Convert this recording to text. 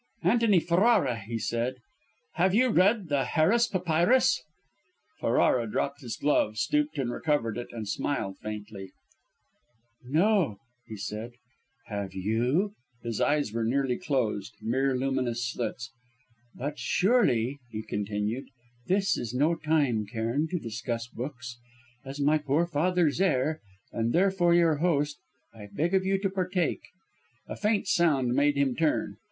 "Antony Ferrara," he said, "have you read the Harris Papyrus?" Ferrara dropped his glove, stooped and recovered it, and smiled faintly. "No," he replied. "Have you?" His eyes were nearly closed, mere luminous slits. "But surely," he continued, "this is no time, Cairn, to discuss books? As my poor father's heir, and therefore your host, I beg of you to partake " A faint sound made him turn.